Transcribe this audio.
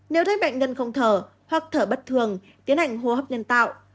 nếu thấy bệnh nhân không thở hoặc thở bất thường tiến hành hô hấp nhân tạo